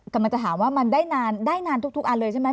กำลังจะถามว่ามันได้นานได้นานทุกอันเลยใช่ไหม